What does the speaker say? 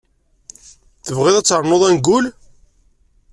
Tebɣiḍ ad ternuḍ angul?